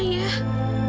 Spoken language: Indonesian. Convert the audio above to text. bagi ayah sebatas tujuan